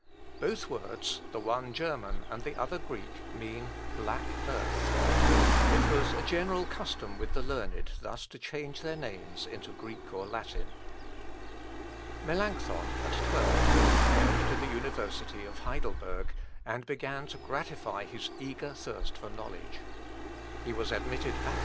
Both words, the one German, and the other Greek, mean black earth. It was a general custom with the learned thus to change their names into Greek or Latin. Melancthon, at twelve, repaired to the university of Heidelberg, and began to gratify his eager thirst for knowledge. He was admitted Bachelor at fourteen.